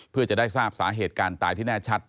เพื่อจะได้ทราบสาเหตุการตายที่แน่ชัด